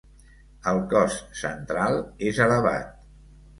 El cos central és elevat.